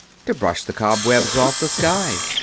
To brush the cobwebs off the sky!